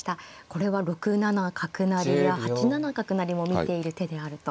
これは６七角成や８七角成も見ている手であると。